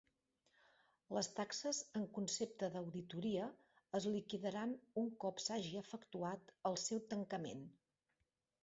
Les taxes en concepte d'auditoria es liquidaran un cop s'hagi efectuat el seu tancament.